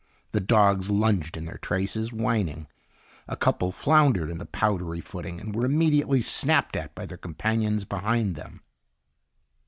The dogs lunged in their traces, whining. A couple floundered in the powdery footing and were immediately snapped at by their companions behind them.